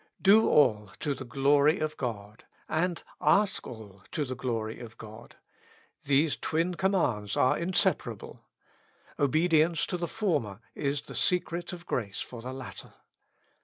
'''Do all to the glory of God," and, ^^Ask all to the glory of God," — these twin com mands are inseparable : obedience to the former is the secret of grace for the latter.